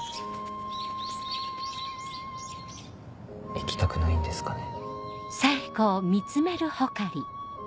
行きたくないんですかね？